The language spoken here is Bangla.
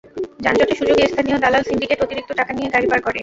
যানজটের সুযোগে স্থানীয় দালাল সিন্ডিকেট অতিরিক্ত টাকা নিয়ে গাড়ি পার করে।